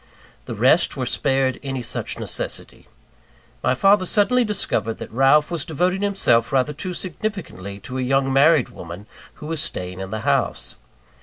The rest were spared any such necessity. My father suddenly discovered that Ralph was devoting himself rather too significantly to a young married woman who was staying in the house.